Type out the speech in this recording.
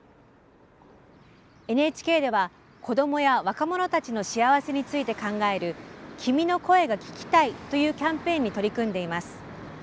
ＮＨＫでは子どもや若者たちの幸せについて考える「君の声が聴きたい」というキャンペーンに取り組んでいます。